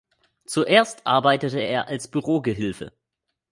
Zuerst arbeitete er als Bürogehilfe.